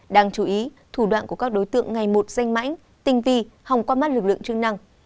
đáng chú ý thủ đoạn của các đối tượng ngày một danh mãnh tinh vi hòng qua mắt lực lượng chức năng